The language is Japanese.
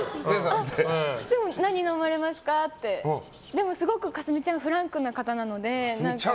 でも、すごく架純ちゃんはフランクな方なので。